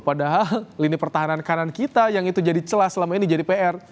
padahal lini pertahanan kanan kita yang itu jadi celah selama ini jadi pr